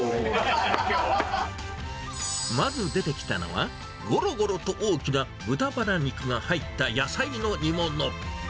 まず出てきたのは、ごろごろと大きな豚バラ肉が入った野菜の煮物。